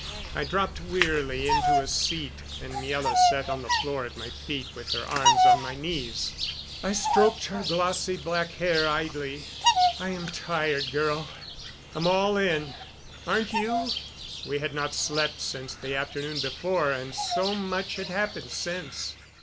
I dropped wearily into a seat, and Miela sat on the floor at my feet with her arms on my knees. I stroked her glossy black hair idly. "I'm tired, girl. I'm all in. Aren't you?" We had not slept since the afternoon before, and so much had happened since.